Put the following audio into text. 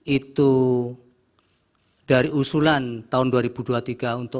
itu dari usulan tahun dua ribu dua puluh tiga untuk